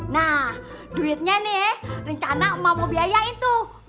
nah duitnya nih rencana mau biayain tuh